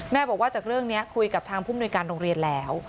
บอกว่าจากเรื่องนี้คุยกับทางผู้มนุยการโรงเรียนแล้ว